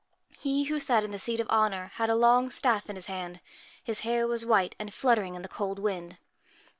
He who sat in the seat of honour had a long staff in his hand. His hair was white, and fluttering in the cold wind.